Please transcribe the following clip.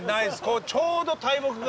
ちょうど大木が。